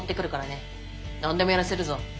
何でもやらせるぞ。